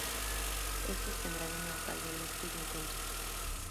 Estos tendrán un alcalde electo y un consejo.